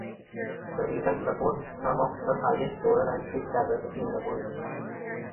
The region supports some of the highest coral and fish diversity in the world.